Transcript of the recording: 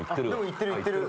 いってるいってる！